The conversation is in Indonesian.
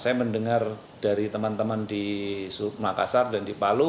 saya mendengar dari teman teman di makassar dan di palu